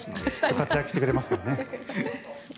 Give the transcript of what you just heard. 活躍してくれますからね。